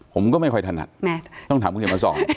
ผมก็ไม่ค่อยถนัดต้องถามคุณเขียนมาสอน